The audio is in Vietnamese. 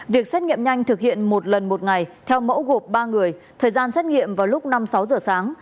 việc xét nghiệm nhanh thực hiện một lần một ngày theo mẫu gộp ba người thời gian xét nghiệm vào lúc năm sáu giờ sáng